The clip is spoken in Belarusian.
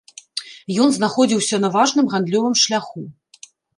Ён знаходзіўся на важным гандлёвым шляху.